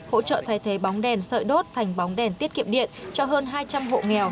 hỗ trợ thay thế bóng đèn sợi đốt thành bóng đèn tiết kiệm điện cho hơn hai trăm linh hộ nghèo